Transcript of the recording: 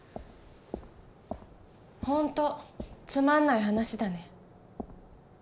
本当つまんない話だね。